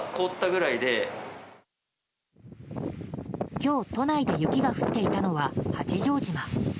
今日、都内で雪が降っていたのは八丈島。